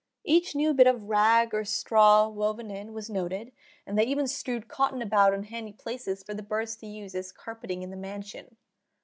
Each new bit of rag or straw woven in was noted, and they even strewed cotton about in handy places for the birds to use as "carpeting in the mansion."